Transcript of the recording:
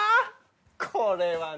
これはね。